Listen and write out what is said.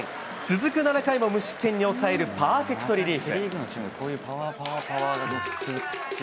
続く７回も無失点に抑えるパーフェクトリリーフ。